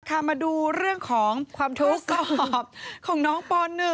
ค่ะมาดูเรื่องของความทุกข์ของน้องป๑